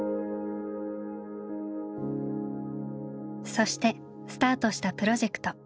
そしてスタートしたプロジェクト。